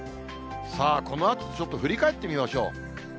さあ、この暑さ、ちょっと振り返ってみましょう。